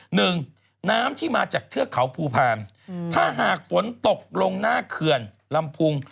หนึ่งน้ำที่มาจากเทือกเขาภูพาลถ้าหากฝนตกลงหน้าเขื่อนลำพุง